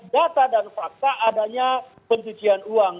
data dan fakta adanya pencucian uang